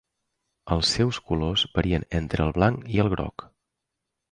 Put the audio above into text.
Els seus colors varien entre el blanc i el groc.